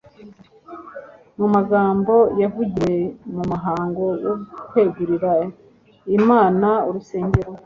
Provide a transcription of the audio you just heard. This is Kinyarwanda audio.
mu magambo yavugiwe mu muhango wo kwegurira imana urusengero